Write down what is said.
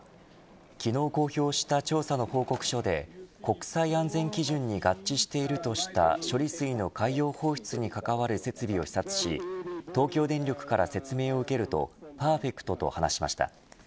昨日公表した調査の報告書で国際安全基準に合致しているとした処理水の海洋放出に関わる設備を視察し東京電力から説明を受けるとパーフェクトと話しました。